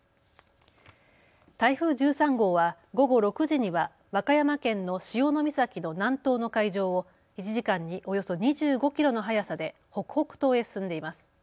台風１３号は午後６時には和歌山県の潮岬の南東の海上を１時間におよそ２５キロの速さで北北東へ進んでいます。